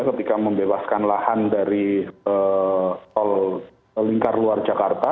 ketika membebaskan lahan dari tol lingkar luar jakarta